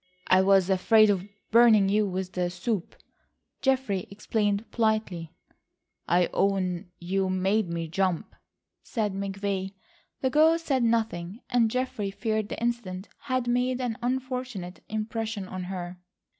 "I was afraid of burning you with the soup," Geoffrey explained politely. "I own you made me jump," said McVay. The girl said nothing, and Geoffrey feared the incident had made an unfortunate impression on her.